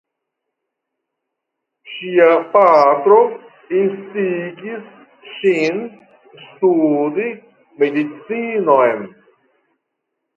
Ŝia patro instigis ŝin studi medicinon.